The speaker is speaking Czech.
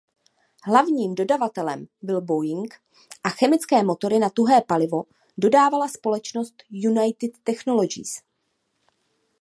Hlavním dodavatelem byl Boeing a chemické motory na tuhé palivo dodávala společnost United Technologies.